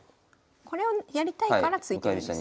これをやりたいから突いてるんですね。